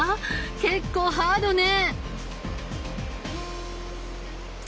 結構ハードね！